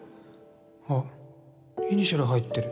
あっイニシャル入ってる